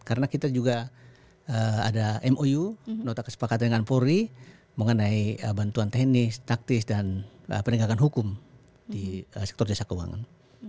karena kita juga ada mou nota kesepakatan dengan polri mengenai bantuan teknis taktis dan peninggalkan hukum di sektor jasa keuangan